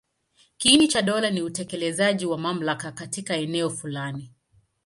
Kiini cha dola ni utekelezaji wa mamlaka katika eneo fulani.